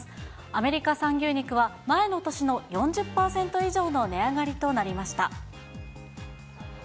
アメリカ産牛肉は、前の年の４０％以上の値上がりとなりました。